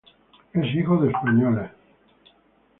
Es hijo de españoles.